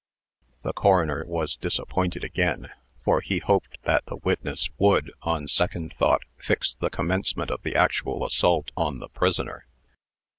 The coroner was disappointed again, for he hoped that the witness would, on second thought, fix the commencement of the actual assault on the prisoner.